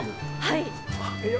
はい！